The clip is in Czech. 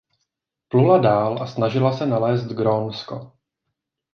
Plula dál a snažila se nalézt Grónsko.